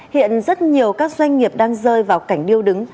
hiện rất nhiều các doanh nghiệp đang rơi vào cảnh điêu đứng